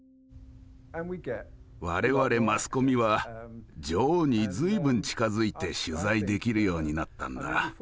我々マスコミは女王に随分近づいて取材できるようになったんだ。